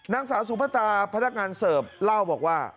นางสาวสุภาตาพนักงานเสิร์ฟเล่าบอกว่า